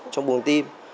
trong bùng tim